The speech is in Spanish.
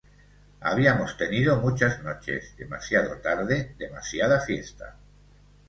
Habíamos tenido muchas noches demasiado tarde, demasiada fiesta.